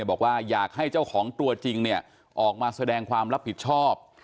บอกว่าอยากให้เจ้าของตัวจริงเนี่ยออกมาแสดงความรับผิดชอบ